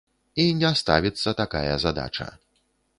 І не ставіцца такая задача.